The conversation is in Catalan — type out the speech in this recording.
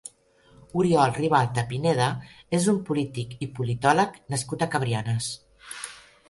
Oriol Ribalta Pineda és un polític i politòleg nascut a Cabrianes.